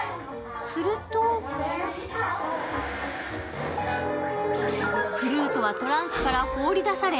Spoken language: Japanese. するとプルートはトランクから放り出され